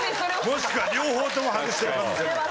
もしくは両方とも外してる可能性も。